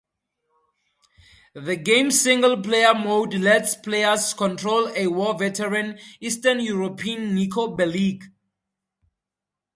The game's single-player mode lets players control a war veteran, Eastern European Niko Bellic.